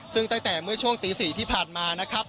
ซึ่งตั้งแต่เมื่อช่วงตี๔ที่ผ่านมานะครับ